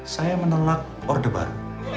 saya menolak orde baru